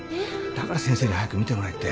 だから先生に早く診てもらえって。